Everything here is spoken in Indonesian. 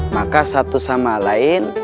maka satu sama lain